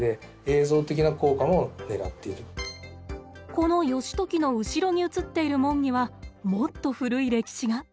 この義時の後ろに映っている門にはもっと古い歴史が。